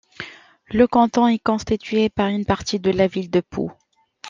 Le canton est constitué par une partie de la Ville de Pau.